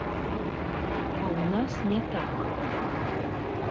А ў нас не так.